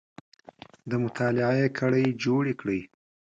د مطالعې کړۍ جوړې کړئ